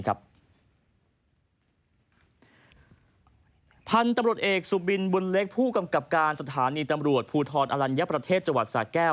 พันธุ์ตำรวจเอกสุบินบุญเล็กผู้กำกับการสถานีตำรวจภูทรอลัญญประเทศจังหวัดสาแก้ว